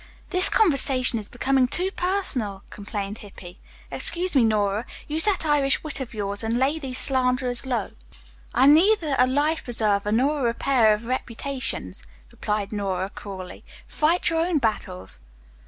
"This conversation is becoming too personal," complained Hippy. "Excuse me, Nora, use that Irish wit of yours and lay these slanderers low." "I am neither a life preserver nor a repairer of reputations," replied Nora cruelly. "Fight your own battles."